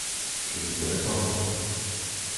Je ne vous connais pas, moi.